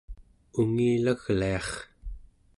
ungilagliar